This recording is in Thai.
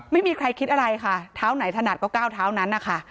ไม่มีใครคิดอะไรค่ะเท้าไหนถนัดก็ก้าวเท้านั้นนะคะ